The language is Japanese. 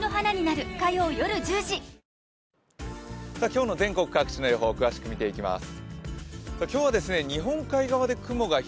今日の全国各地の予報詳しく見ていきます。